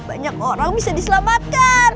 banyak orang bisa diselamatkan